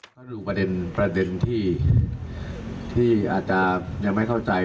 ต้องรู้ประเด็นที่อาจวันนี้ยังไม่เข้าใจ